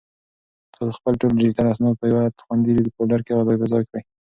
تاسو خپل ټول ډیجیټل اسناد په یو خوندي فولډر کې ځای پر ځای کړئ.